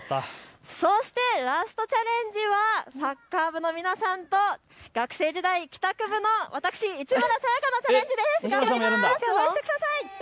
そしてラストチャレンジはサッカー部の皆さんと学生時代、帰宅部の私、市村さやかのチャレンジです。